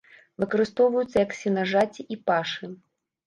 Выкарыстоўваюцца як сенажаці і пашы.